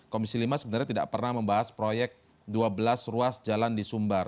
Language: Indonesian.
komisi lima sebenarnya tidak pernah membahas proyek dua belas ruas jalan di sumbar